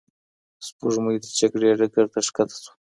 سپوږمۍ د جګړې ډګر ته ښکته شوه